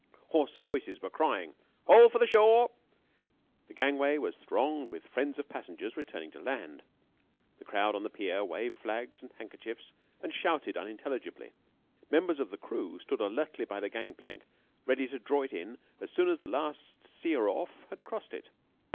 Hoarse voices were crying, "All for the shore!" The gangway was thronged with friends of passengers returning to land. The crowd on the pier waved flags and handkerchiefs and shouted unintelligibly. Members of the crew stood alertly by the gang plank ready to draw it in as soon as the last seer off had crossed it.